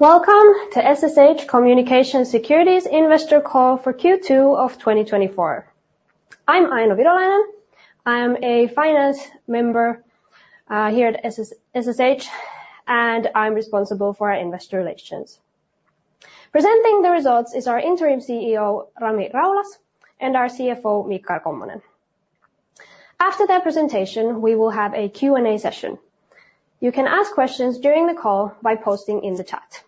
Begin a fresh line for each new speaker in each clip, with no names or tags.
Welcome to SSH Communications Security Investor Call for Q2 of 2024. I'm Aino Virolainen. I'm a finance member here at SSH, and I'm responsible for our investor relations. Presenting the results is our Interim CEO, Rami Raulas, and our CFO, Michael Kommonen. After their presentation, we will have a Q&A session. You can ask questions during the call by posting in the chat.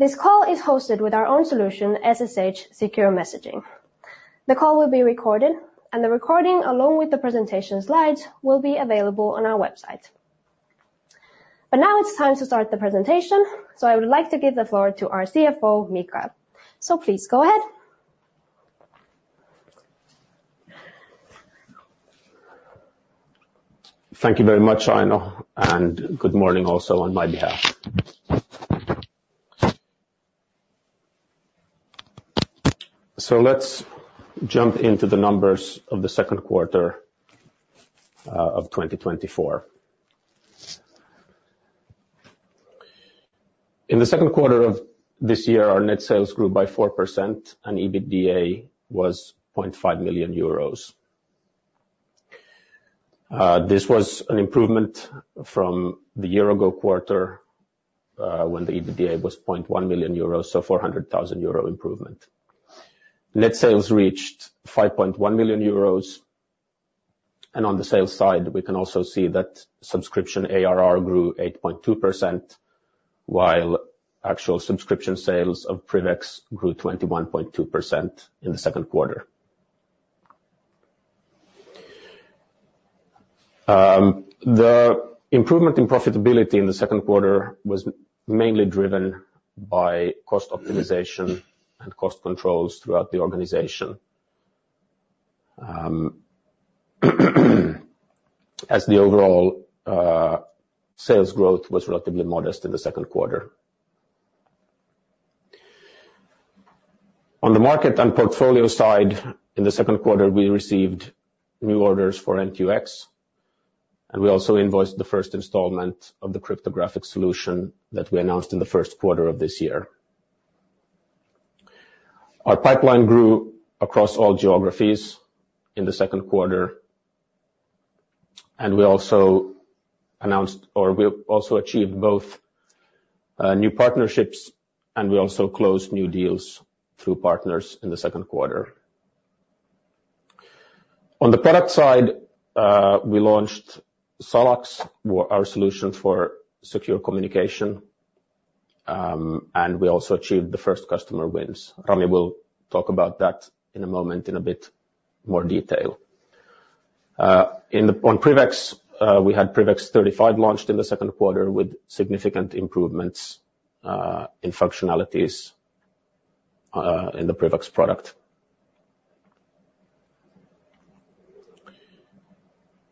This call is hosted with our own solution, SSH Secure Messaging. The call will be recorded, and the recording, along with the presentation slides, will be available on our website. Now it's time to start the presentation, so I would like to give the floor to our CFO, Michael. Please go ahead.
Thank you very much, Aino, and good morning also on my behalf. So let's jump into the numbers of the second quarter of 2024. In the second quarter of this year, our net sales grew by 4%, and EBITDA was 0.5 million euros. This was an improvement from the year-ago quarter, when the EBITDA was 0.1 million euros, so 400,000 euro improvement. Net sales reached 5.1 million euros, and on the sales side, we can also see that subscription ARR grew 8.2%, while actual subscription sales of PrivX grew 21.2% in the second quarter. The improvement in profitability in the second quarter was mainly driven by cost optimization and cost controls throughout the organization, as the overall sales growth was relatively modest in the second quarter. On the market and portfolio side, in the second quarter, we received new orders for NQX, and we also invoiced the first installment of the cryptographic solution that we announced in the first quarter of this year. Our pipeline grew across all geographies in the second quarter, and we also announced, or we also achieved both, new partnerships, and we also closed new deals through partners in the second quarter. On the product side, we launched SalaX, our solution for secure communication, and we also achieved the first customer wins. Rami will talk about that in a moment in a bit more detail. On PrivX, we had PrivX 35 launched in the second quarter with significant improvements, in functionalities, in the PrivX product.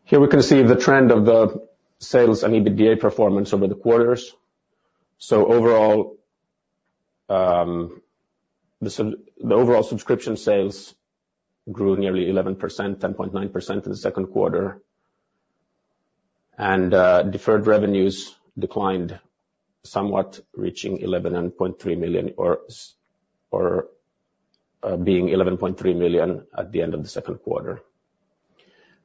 Here we can see the trend of the sales and EBITDA performance over the quarters. So overall, the overall subscription sales grew nearly 11%, 10.9% in the second quarter. Deferred revenues declined somewhat, reaching 11.3 million, or being 11.3 million at the end of the second quarter.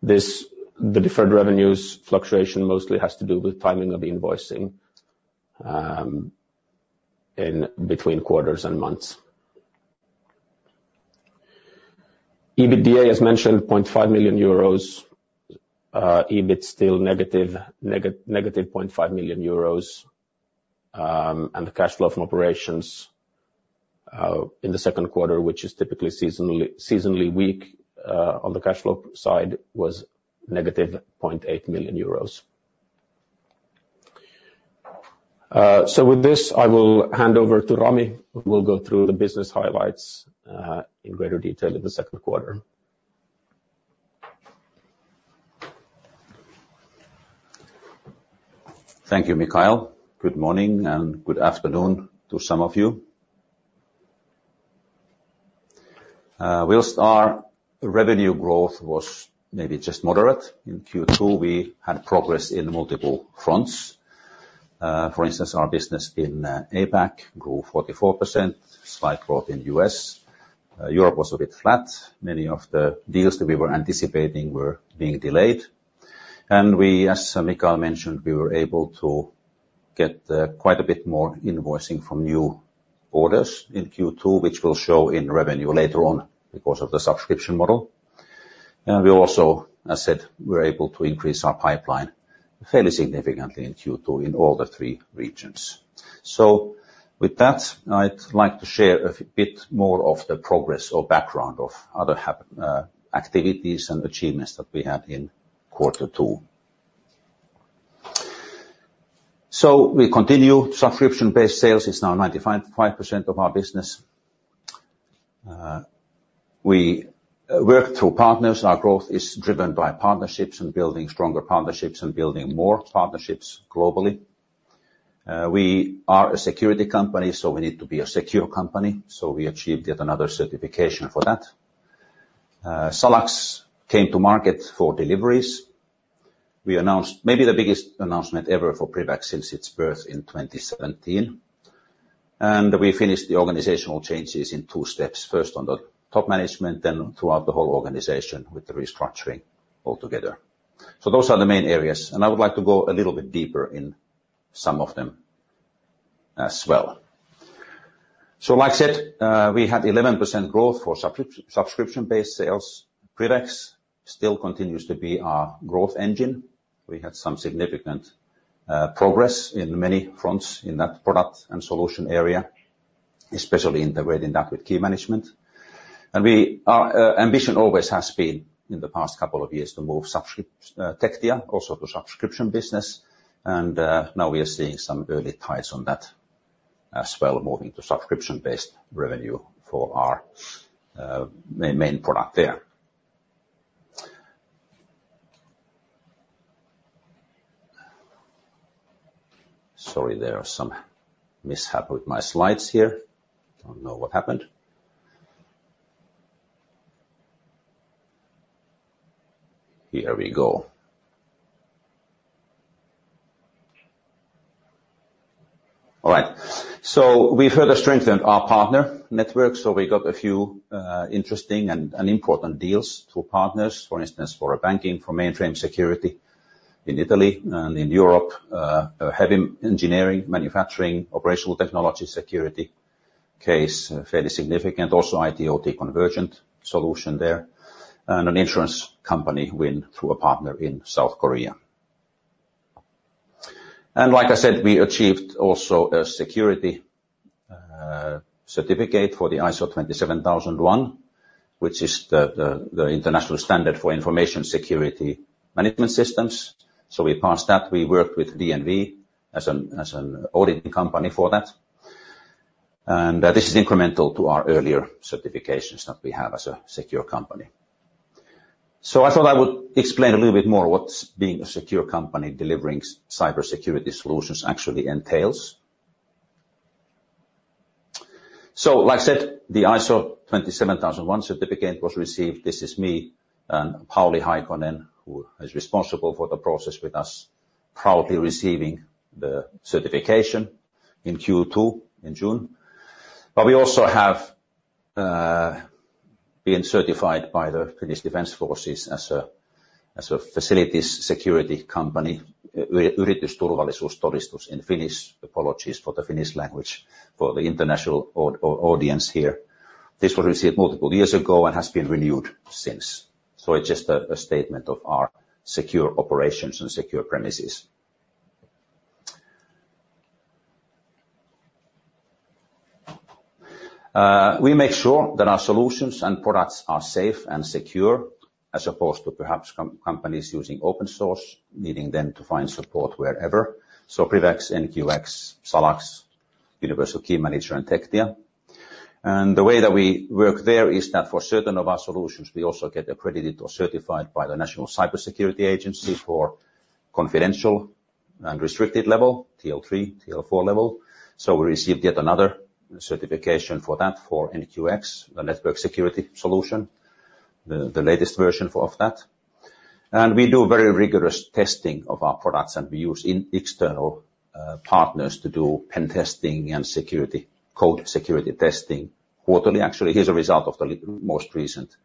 This deferred revenues fluctuation mostly has to do with timing of the invoicing, in between quarters and months. EBITDA, as mentioned, 0.5 million euros, EBIT still negative, negative 0.5 million euros, and the cash flow from operations, in the second quarter, which is typically seasonally weak, on the cash flow side, was negative EUR 0.8 million. So with this, I will hand over to Rami, who will go through the business highlights, in greater detail in the second quarter.
Thank you, Michael. Good morning, and good afternoon to some of you. While our revenue growth was maybe just moderate in Q2, we had progress in multiple fronts. For instance, our business in APAC grew 44%, slight growth in U.S. Europe was a bit flat. Many of the deals that we were anticipating were being delayed. And we, as Michael mentioned, we were able to get quite a bit more invoicing from new orders in Q2, which will show in revenue later on because of the subscription model. And we also, as said, we're able to increase our pipeline fairly significantly in Q2 in all the three regions. So with that, I'd like to share a bit more of the progress or background of other activities and achievements that we had in quarter two. So we continue, subscription-based sales is now 95.5% of our business. We work through partners. Our growth is driven by partnerships and building stronger partnerships and building more partnerships globally. We are a security company, so we need to be a secure company, so we achieved yet another certification for that. SalaX came to market for deliveries. We announced maybe the biggest announcement ever for PrivX since its birth in 2017. We finished the organizational changes in two steps, first on the top management, then throughout the whole organization with the restructuring altogether. So those are the main areas, and I would like to go a little bit deeper in some of them as well. So, like I said, we had 11% growth for subscription-based sales. PrivX still continues to be our growth engine. We had some significant progress in many fronts in that product and solution area, especially integrating that with key management. Our ambition always has been, in the past couple of years, to move Tectia also to subscription business. Now we are seeing some early signs on that as well, moving to subscription-based revenue for our main product there. Sorry, there are some mishap with my slides here. I don't know what happened. Here we go. All right. So we further strengthened our partner network, so we got a few interesting and important deals through partners. For instance, a banking mainframe security in Italy and in Europe, a heavy engineering manufacturing operational technology security case, fairly significant. Also, IT/OT convergent solution there, and an insurance company win through a partner in South Korea. Like I said, we achieved also a security certificate for the ISO 27001, which is the international standard for information security management systems. So we passed that. We worked with DNV as an auditing company for that. And this is incremental to our earlier certifications that we have as a secure company. So I thought I would explain a little bit more what being a secure company delivering cybersecurity solutions actually entails. So, like I said, the ISO 27001 certificate was received. This is me and Pauli Haikonen, who is responsible for the process with us, proudly receiving the certification in Q2, in June. But we also have been certified by the Finnish Defence Forces as a facilities security company, in Finnish. Apologies for the Finnish language, for the international audience here. This was received multiple years ago and has been renewed since. So it's just a statement of our secure operations and secure premises. We make sure that our solutions and products are safe and secure, as opposed to perhaps companies using open source, needing them to find support wherever. So PrivX, NQX, SalaX, Universal Key Manager, and Tectia. And the way that we work there is that for certain of our solutions, we also get accredited or certified by the National Cybersecurity Agency for confidential and restricted level, TL3, TL4 level. So we received yet another certification for that, for NQX, the network security solution, the latest version for that. And we do very rigorous testing of our products, and we use external partners to do pen testing and security, code security testing quarterly. Actually, here's a result of the most recent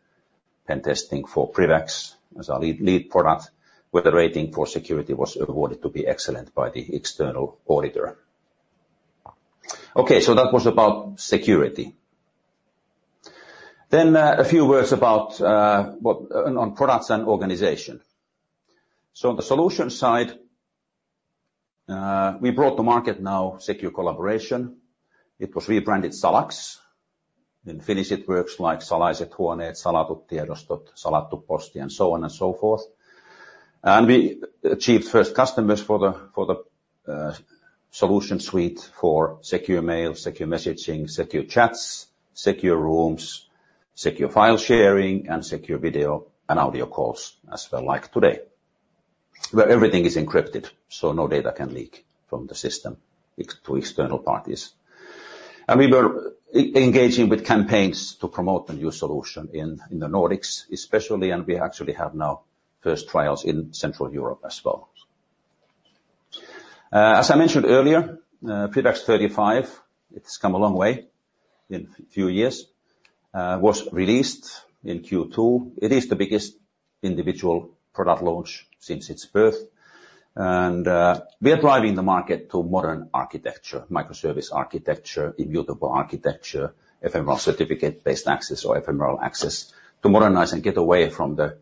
pen testing for PrivX, as our lead product, where the rating for security was awarded to be excellent by the external auditor. Okay, so that was about security. A few words about what on products and organization. So on the solution side, we brought to market now secure collaboration. It was rebranded SalaX. In Finnish, it works like Salaiset huoneet, Salatut tiedostot, Salattu posti, and so on and so forth. We achieved first customers for the solution suite for secure mail, secure messaging, secure chats, secure rooms, secure file sharing, and secure video and audio calls as well, like today, where everything is encrypted, so no data can leak from the system to external parties. We were engaging with campaigns to promote the new solution in the Nordics, especially, and we actually have now first trials in Central Europe as well. As I mentioned earlier, PrivX 35, it's come a long way in few years, was released in Q2. It is the biggest individual product launch since its birth, and we are driving the market to modern architecture, microservice architecture, immutable architecture, ephemeral certificate-based access or ephemeral access to modernize and get away from the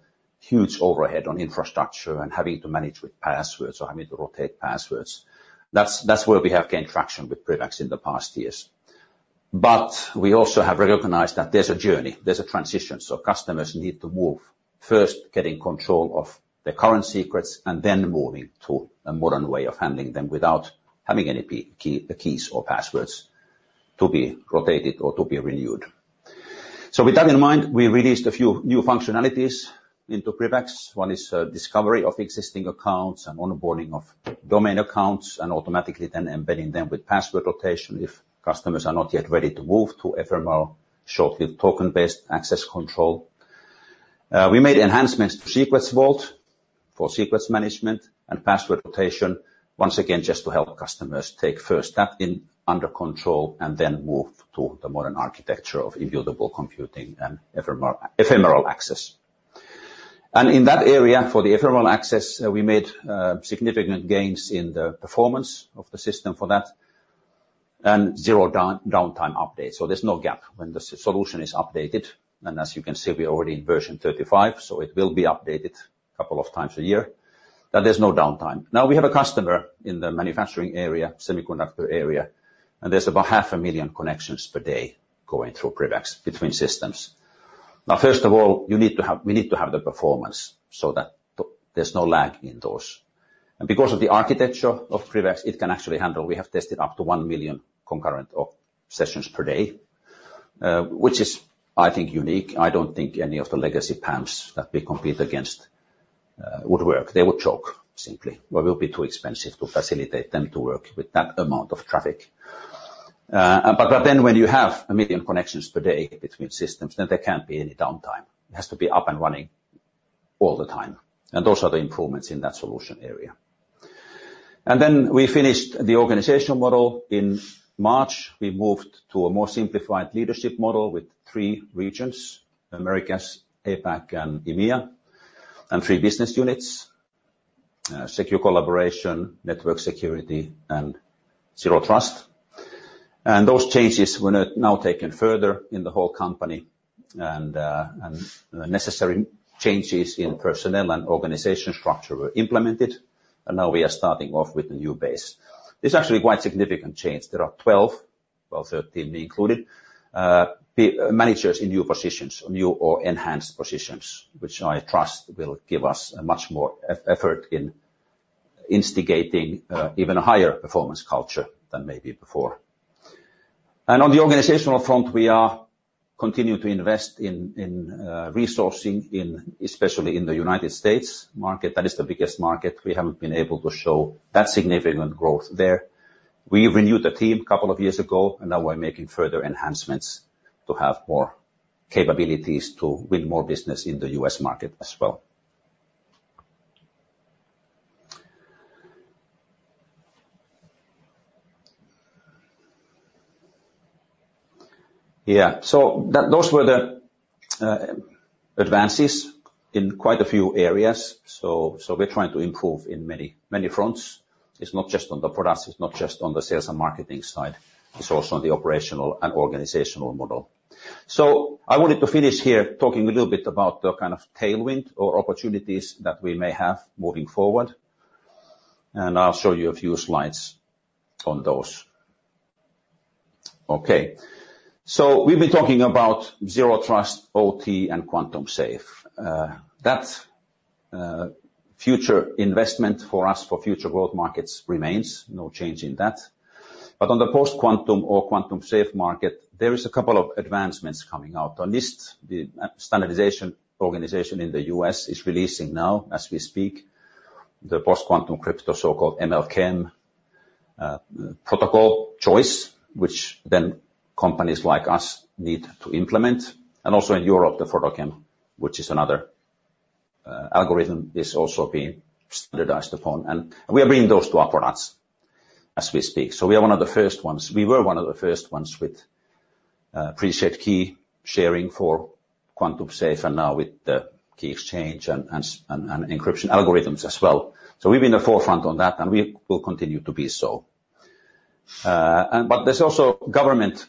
huge overhead on infrastructure and having to manage with passwords or having to rotate passwords. That's where we have gained traction with PrivX in the past years. But we also have recognized that there's a journey, there's a transition, so customers need to move, first getting control of their current secrets, and then moving to a modern way of handling them without having any permanent keys or passwords to be rotated or to be renewed. So with that in mind, we released a few new functionalities into PrivX. One is discovery of existing accounts and onboarding of domain accounts, and automatically then embedding them with password rotation if customers are not yet ready to move to ephemeral, short-lived token-based access control. We made enhancements to Secrets Vault for secrets management and password rotation, once again, just to help customers take first step in getting under control and then move to the modern architecture of immutable computing and ephemeral access. In that area, for the ephemeral access, we made significant gains in the performance of the system for that, and zero downtime updates. So there's no gap when the solution is updated, and as you can see, we're already in version 35, so it will be updated a couple of times a year, but there's no downtime. Now, we have a customer in the manufacturing area, semiconductor area, and there's about 500,000 connections per day going through PrivX between systems. Now, first of all, we need to have the performance so that there's no lag in those. And because of the architecture of PrivX, it can actually handle; we have tested up to 1,000,000 concurrent sessions per day, which is, I think, unique. I don't think any of the legacy PAMs that we compete against would work. They would choke, simply, or will be too expensive to facilitate them to work with that amount of traffic. But then when you have 1 million connections per day between systems, then there can't be any downtime. It has to be up and running all the time, and those are the improvements in that solution area. We finished the organizational model in March. We moved to a more simplified leadership model with three regions: Americas, APAC, and EMEA, and three business units: Secure Collaboration, Network Security, and Zero Trust. Those changes were now taken further in the whole company, and necessary changes in personnel and organizational structure were implemented, and now we are starting off with a new base. It's actually quite significant change. There are 12, well, 13, me included, managers in new positions, new or enhanced positions, which I trust will give us a much more effort in instigating even higher performance culture than maybe before. On the organizational front, we are continuing to invest in resourcing in, especially in the United States market. That is the biggest market. We haven't been able to show that significant growth there. We renewed the team a couple of years ago, and now we're making further enhancements to have more capabilities to win more business in the U.S. market as well. Yeah, so those were the advances in quite a few areas. So we're trying to improve in many, many fronts. It's not just on the products, it's not just on the sales and marketing side, it's also on the operational and organizational model. So I wanted to finish here talking a little bit about the kind of tailwind or opportunities that we may have moving forward, and I'll show you a few slides on those. Okay, so we've been talking about Zero Trust, OT, and Quantum Safe. That future investment for us, for future growth markets remains, no change in that. But on the post-quantum or quantum safe market, there is a couple of advancements coming out. On this, the standardization organization in the U.S. is releasing now, as we speak, the post-quantum crypto, so-called ML-KEM protocol choice, which then companies like us need to implement, and also in Europe, the FrodoKEM, which is another algorithm, is also being standardized upon. And we are bringing those two up for us as we speak. So we are one of the first ones. We were one of the first ones with preset key sharing for Quantum Safe, and now with the key exchange and encryption algorithms as well. So we've been the forefront on that, and we will continue to be so. But there's also government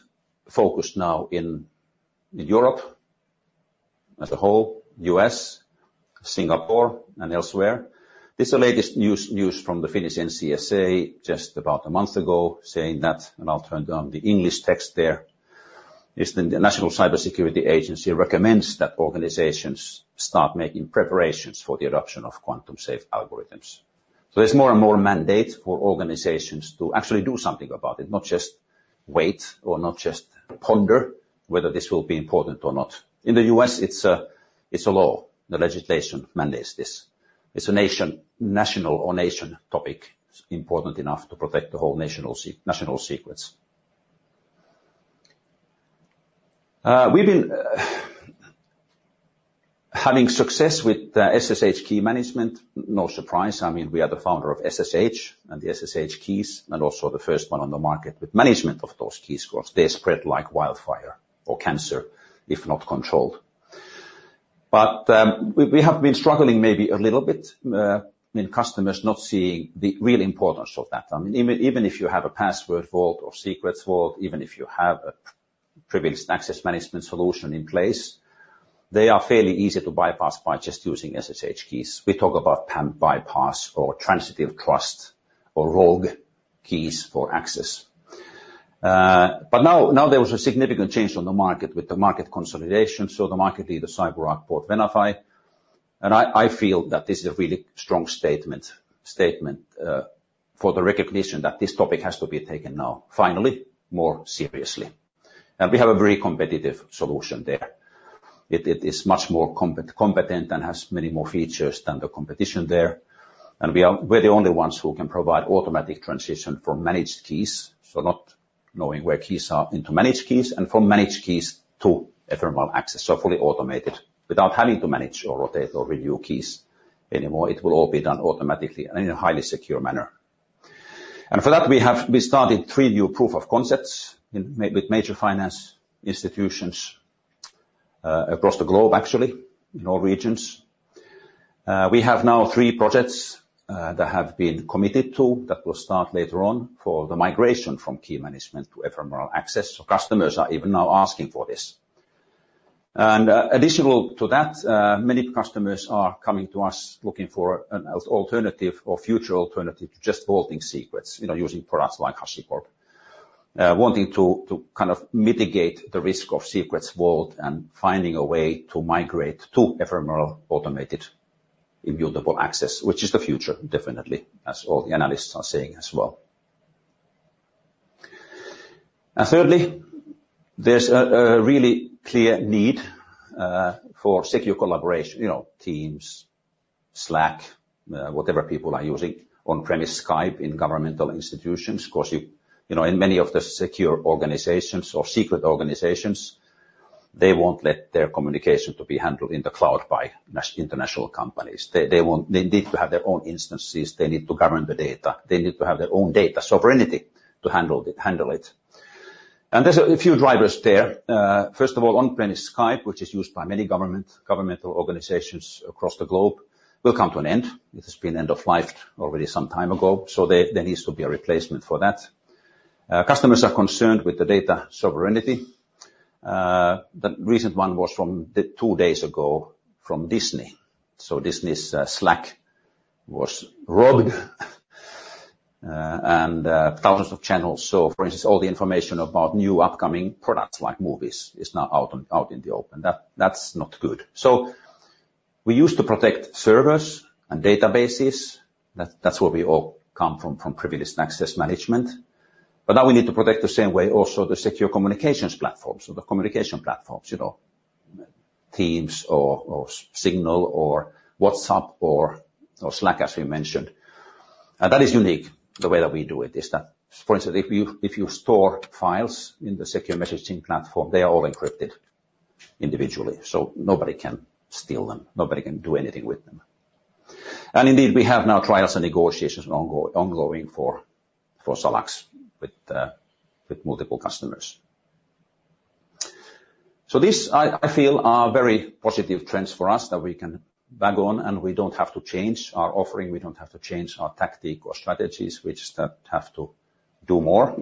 focus now in Europe as a whole, U.S., Singapore and elsewhere. This is the latest news from the Finnish NCSA, just about a month ago, saying that, and I'll turn on the English text there, is the "National Cybersecurity Agency recommends that organizations start making preparations for the adoption of Quantum Safe algorithms." So there's more and more mandate for organizations to actually do something about it, not just wait or not just ponder whether this will be important or not. In the U.S., it's a law. The legislation mandates this. It's a national or nation topic. It's important enough to protect the whole national secrets. We've been having success with the SSH key management, no surprise. I mean, we are the founder of SSH and the SSH keys, and also the first one on the market with management of those keys, because they spread like wildfire or cancer, if not controlled. But we have been struggling maybe a little bit in customers not seeing the real importance of that. I mean, even if you have a password vault or secrets vault, even if you have a privileged access management solution in place, they are fairly easy to bypass by just using SSH keys. We talk about PAM bypass or transitive trust or rogue keys for access. But now there was a significant change on the market with the market consolidation, so the market leader, CyberArk, bought Venafi. I feel that this is a really strong statement for the recognition that this topic has to be taken now, finally, more seriously. We have a very competitive solution there. It is much more competent and has many more features than the competition there. We are the only ones who can provide automatic transition from managed keys, so not knowing where keys are, into managed keys, and from managed keys to ephemeral access. So fully automated, without having to manage or rotate or renew keys anymore. It will all be done automatically and in a highly secure manner. For that, we started three new proof of concepts with major finance institutions across the globe, actually, in all regions. We have now three projects that have been committed to, that will start later on for the migration from key management to ephemeral access, so customers are even now asking for this. And additional to that, many customers are coming to us looking for an alternative or future alternative to just vaulting secrets, you know, using products like HashiCorp. Wanting to kind of mitigate the risk of secrets vault and finding a way to migrate to ephemeral automated, immutable access, which is the future, definitely, as all the analysts are saying as well. And thirdly, there's a really clear need for secure collaboration, you know, Teams, Slack, whatever people are using, on-premise Skype in governmental institutions, 'cause you know, in many of the secure organizations or secret organizations, they won't let their communication to be handled in the cloud by national-international companies. They want to have their own instances, they need to govern the data, they need to have their own data sovereignty to handle it, handle it. And there's a few drivers there. First of all, on-premise Skype, which is used by many governmental organizations across the globe, will come to an end. It has been end of life already some time ago, so there needs to be a replacement for that. Customers are concerned with the data sovereignty. The recent one was from two days ago from Disney. So Disney's Slack was robbed, and thousands of channels. So for instance, all the information about new upcoming products, like movies, is now out in the open. That's not good. So we used to protect servers and databases, that's where we all come from, from privileged access management. But now we need to protect the same way also the secure communications platforms, so the communication platforms, you know, Teams or Signal or WhatsApp or Slack, as we mentioned. And that is unique, the way that we do it is that, for instance, if you store files in the secure messaging platform, they are all encrypted individually, so nobody can steal them, nobody can do anything with them. Indeed, we have now trials and negotiations ongoing for SalaX with multiple customers. So this I feel are very positive trends for us that we can bank on, and we don't have to change our offering, we don't have to change our tactic or strategies, we just have to do more.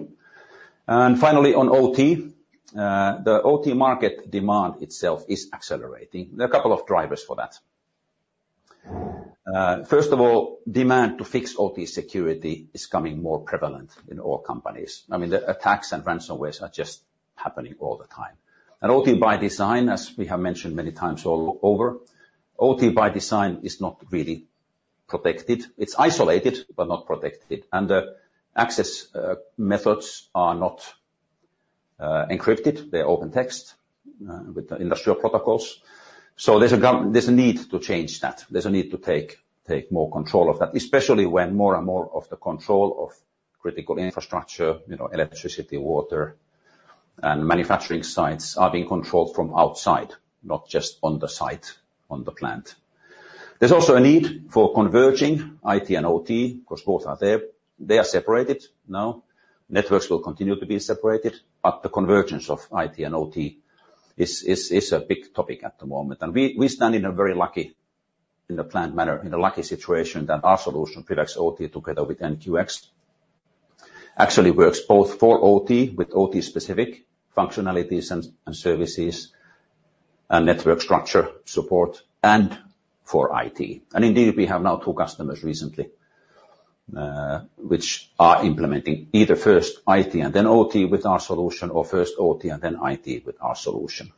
Finally, on OT, the OT market demand itself is accelerating. There are a couple of drivers for that. First of all, demand to fix OT security is becoming more prevalent in all companies. I mean, the attacks and ransomwares are just happening all the time. OT by design, as we have mentioned many times all over, OT by design is not really protected. It's isolated, but not protected, and the access methods are not encrypted. They're open text with the industrial protocols. So there's a need to change that. There's a need to take more control of that, especially when more and more of the control of critical infrastructure, you know, electricity, water, and manufacturing sites are being controlled from outside, not just on the site, on the plant. There's also a need for converging IT and OT, 'cause both are there. They are separated now. Networks will continue to be separated, but the convergence of IT and OT is a big topic at the moment. And we stand in a very lucky, in a planned manner, in a lucky situation that our solution protects OT together with NQX. Actually works both for OT, with OT-specific functionalities and services, and network structure support, and for IT. And indeed, we have now two customers recently which are implementing either first IT and then OT with our solution, or first OT and then IT with our solution.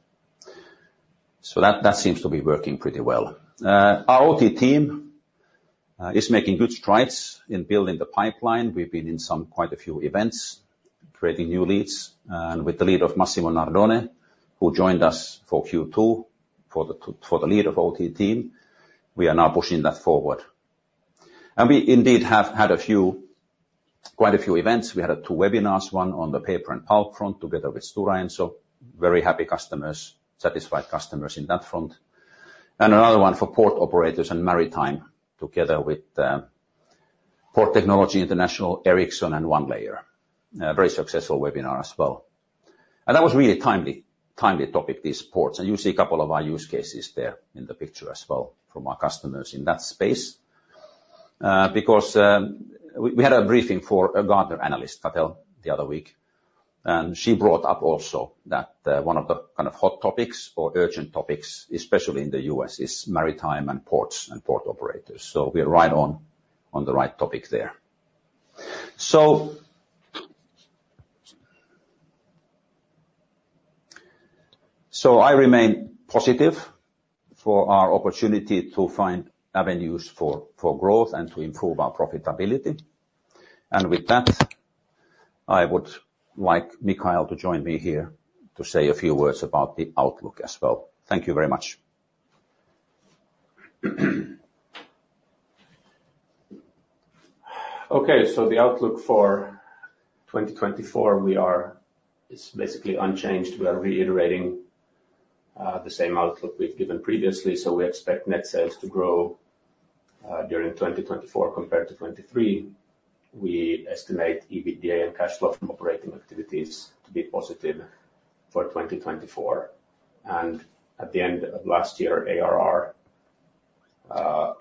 So that seems to be working pretty well. Our OT team is making good strides in building the pipeline. We've been in some quite a few events, creating new leads, and with the lead of Massimo Nardone, who joined us for Q2, for the lead of OT team, we are now pushing that forward. And we indeed have had a few, quite a few events. We had two webinars, one on the paper and pulp front, together with Stora Enso. Very happy customers, satisfied customers in that front. And another one for port operators and maritime, together with Port Technology International, Ericsson, and OneLayer. A very successful webinar as well. And that was really timely, timely topic, these ports, and you see a couple of our use cases there in the picture as well from our customers in that space. Because we had a briefing for a Gartner analyst, Ruchi Patel, the other week, and she brought up also that one of the kind of hot topics or urgent topics, especially in the United States, is maritime and ports and port operators. So we're right on the right topic there. So I remain positive for our opportunity to find avenues for growth and to improve our profitability. And with that, I would like Michael to join me here to say a few words about the outlook as well. Thank you very much.
Okay, so the outlook for 2024, we are, is basically unchanged. We are reiterating the same outlook we've given previously. So we expect net sales to grow during 2024 compared to 2023. We estimate EBITDA and cash flow from operating activities to be positive for 2024, and at the end of last year, ARR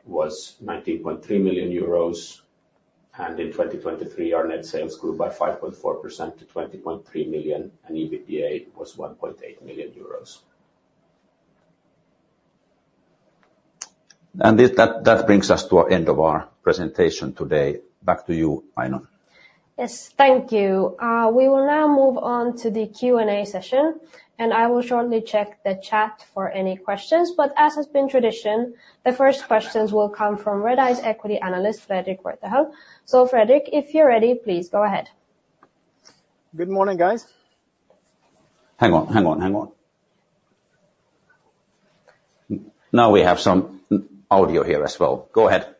was 19.3 million euros, and in 2023, our net sales grew by 5.4% to 20.3 million, and EBITDA was 1.8 million euros.
This brings us to the end of our presentation today. Back to you, Aino.
Yes, thank you. We will now move on to the Q&A session, and I will shortly check the chat for any questions. But as has been tradition, the first questions will come from Redeye's equity analyst, Fredrik Wethey. So Fredrik, if you're ready, please go ahead.
Good morning, guys.
Hang on, hang on, hang on. Now we have some audio here as well. Go ahead.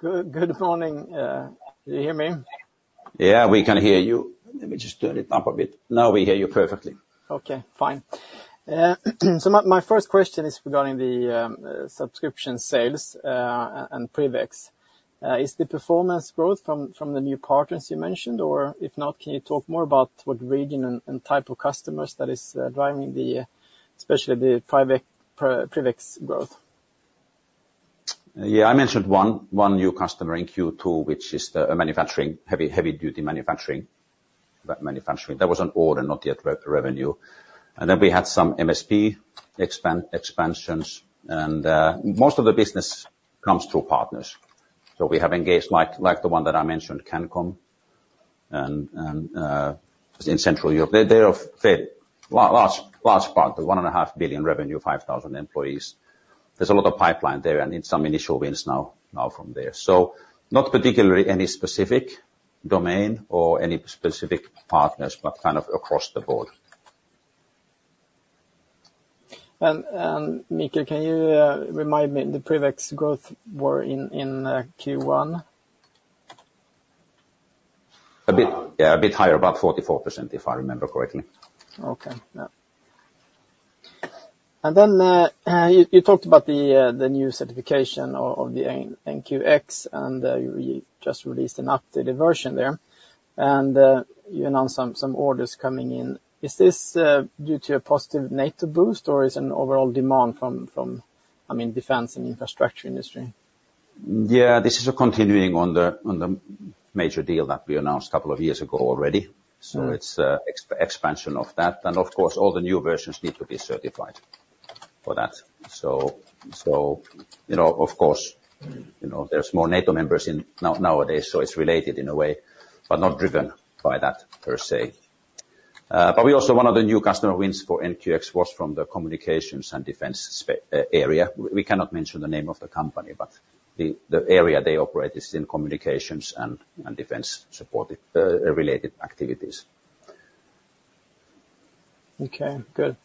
Good, good morning. Can you hear me?
Yeah, we can hear you. Let me just turn it up a bit. Now we hear you perfectly.
Okay, fine. So my first question is regarding the subscription sales and PrivX. Is the performance growth from the new partners you mentioned, or if not, can you talk more about what region and type of customers that is driving, especially the PrivX growth?
Yeah, I mentioned one new customer in Q2, which is the manufacturing, heavy, heavy-duty manufacturing. That manufacturing was an order, not yet revenue. And then we had some MSP expansions, and most of the business comes through partners. So we have engaged, like, the one that I mentioned, Cancom, and in Central Europe. They're a fairly large partner, 1.5 billion revenue, 5,000 employees. There's a lot of pipeline there, and some initial wins now from there. So not particularly any specific domain or any specific partners, but kind of across the board.
Mika, can you remind me the PrivX growth were in Q1?
A bit, yeah, a bit higher, about 44%, if I remember correctly.
Okay, yeah. And then, you talked about the new certification of the NQX, and you just released an updated version there. And you announced some orders coming in. Is this due to a positive NATO boost, or is an overall demand from, I mean, defense and infrastructure industry?
Yeah, this is a continuing on the major deal that we announced a couple of years ago already.
Mm.
So it's an expansion of that. And of course, all the new versions need to be certified for that. So you know, of course, you know, there's more NATO members nowadays, so it's related in a way, but not driven by that per se. But we also one of the new customer wins for NQX was from the communications and defense space area. We cannot mention the name of the company, but the area they operate is in communications and defense-supported related activities.
Okay, good.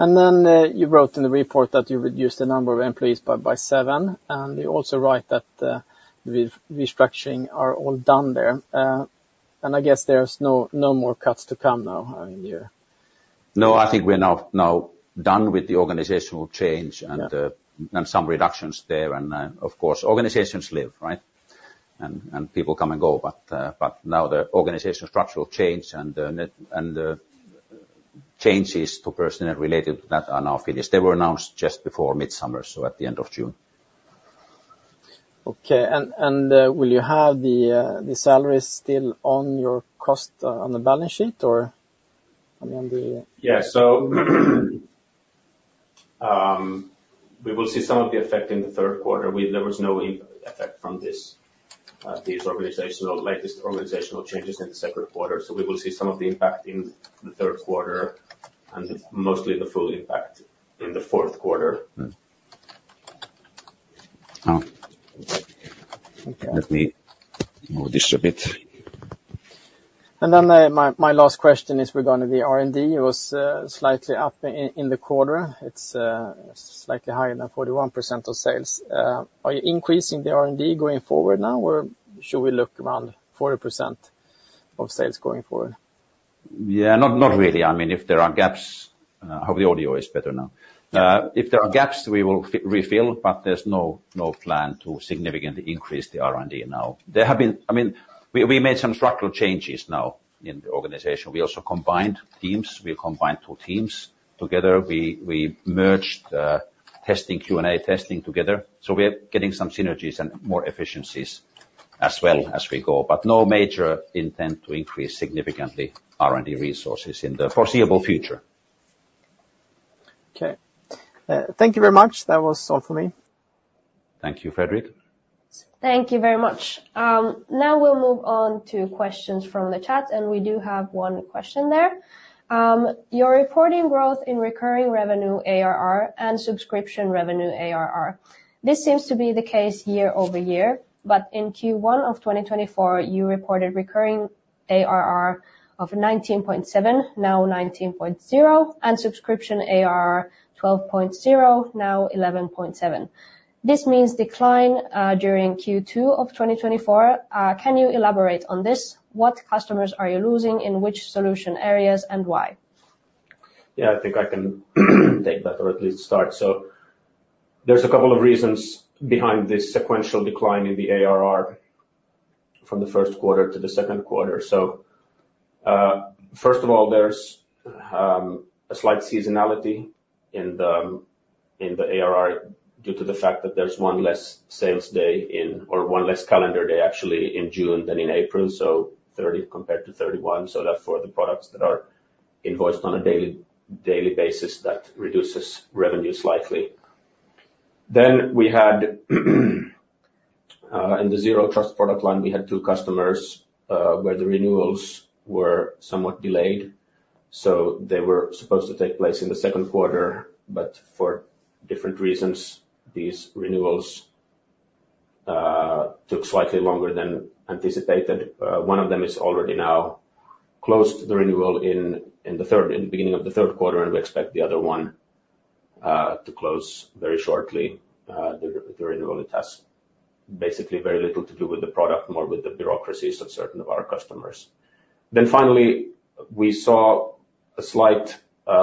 And then you wrote in the report that you reduced the number of employees by seven, and you also write that the restructuring are all done there. And I guess there's no more cuts to come now in the year.
No, I think we're now done with the organizational change-
Yeah...
and some reductions there. And, of course, organizations live, right? And people come and go, but now the organizational structural change and the changes to personnel related to that are now finished. They were announced just before mid-summer, so at the end of June.
Okay, and will you have the salaries still on your cost on the balance sheet, or, I mean, on the-
Yeah, so, we will see some of the effect in the third quarter. There was no effect from this, these organizational, latest organizational changes in the second quarter. So we will see some of the impact in the third quarter and mostly the full impact in the fourth quarter.
Oh, let me move this a bit.
My, my last question is regarding the R&D. It was slightly up in the quarter. It's slightly higher than 41% of sales. Are you increasing the R&D going forward now, or should we look around 40% of sales going forward?
Yeah, not really. I mean, if there are gaps... Hope the audio is better now.
Yeah.
If there are gaps, we will refill, but there's no plan to significantly increase the R&D now. There have been—I mean, we made some structural changes now in the organization. We also combined teams. We combined two teams together. We merged the testing, Q&A testing together. So we are getting some synergies and more efficiencies as well as we go, but no major intent to increase significantly R&D resources in the foreseeable future.
Okay. Thank you very much. That was all for me....
Thank you, Fredrik.
Thank you very much. Now we'll move on to questions from the chat, and we do have one question there. You're reporting growth in recurring revenue ARR and subscription revenue ARR. This seems to be the case year-over-year, but in Q1 of 2024, you reported recurring ARR of 19.7, now 19.0, and subscription ARR 12.0, now 11.7. This means decline during Q2 of 2024. Can you elaborate on this? What customers are you losing, in which solution areas, and why?
Yeah, I think I can take that, or at least start. So there's a couple of reasons behind this sequential decline in the ARR from the first quarter to the second quarter. So, first of all, there's a slight seasonality in the ARR due to the fact that there's one less sales day or one less calendar day, actually, in June than in April, so 30 compared to 31. So that for the products that are invoiced on a daily basis, that reduces revenue slightly. Then we had in the zero trust product line, we had two customers where the renewals were somewhat delayed. So they were supposed to take place in the second quarter, but for different reasons, these renewals took slightly longer than anticipated. One of them is already now closed the renewal in the beginning of the third quarter, and we expect the other one to close very shortly. The renewal, it has basically very little to do with the product, more with the bureaucracies of certain of our customers. Then finally, we saw a slight,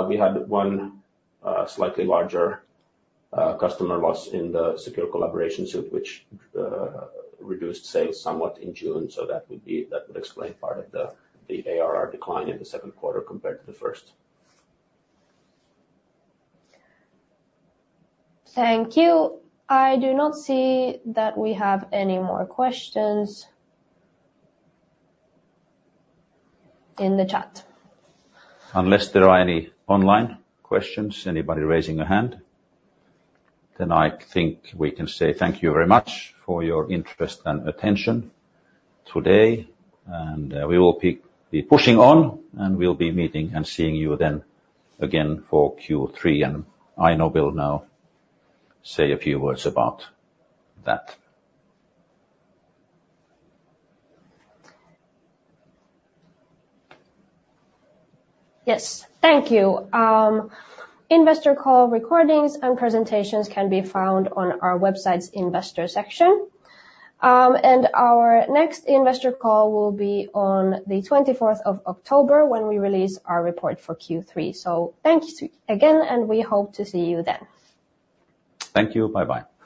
we had one slightly larger customer loss in the secure collaboration suite, which reduced sales somewhat in June. So that would be, that would explain part of the ARR decline in the second quarter compared to the first.
Thank you. I do not see that we have any more questions... in the chat.
Unless there are any online questions, anybody raising a hand? Then I think we can say thank you very much for your interest and attention today, and we will be pushing on, and we'll be meeting and seeing you then again for Q3. I know we'll now say a few words about that.
Yes. Thank you. Investor call recordings and presentations can be found on our website's investor section. Our next investor call will be on the twenty-fourth of October when we release our report for Q3. So thank you again, and we hope to see you then.
Thank you. Bye-bye.